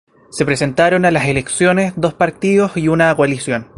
Se presentaron a las elecciones dos partidos y una coalición.